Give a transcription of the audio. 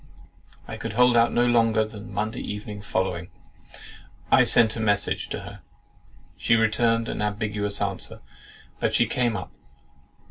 I could hold out no longer than the Monday evening following. I sent a message to her; she returned an ambiguous answer; but she came up.